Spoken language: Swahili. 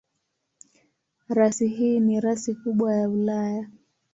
Rasi hii ni rasi kubwa ya Ulaya.